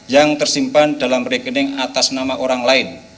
yang tersimpan dalam rekening atas nama orang lain